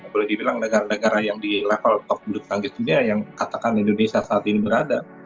boleh dibilang negara negara yang di level top bulu tangkis dunia yang katakan indonesia saat ini berada